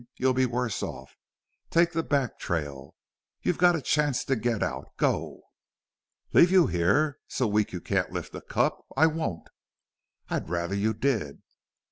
You'd be worse off.... Take the back trail. You've got a chance to get out.... Go!" "Leave you here? So weak you can't lift a cup! I won't." "I'd rather you did."